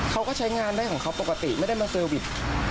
เขาก็ใช้งานได้ของเขาปกติไม่ได้มาเซอร์วิส